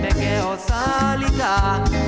แต่แก้วสาลิกา